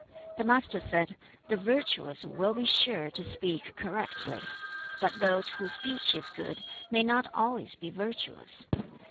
The Master said, 'The virtuous will be sure to speak correctly, but those whose speech is good may not always be virtuous.